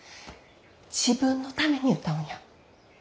自分のために歌うんや。